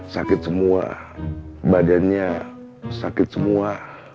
sakit semua badannya sakit semua